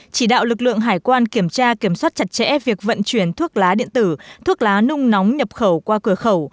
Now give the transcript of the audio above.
chỉ đạo lực lượng hải quan kiểm tra kiểm soát chặt chẽ việc vận chuyển thuốc lá điện tử thuốc lá nung nóng nhập khẩu qua cửa khẩu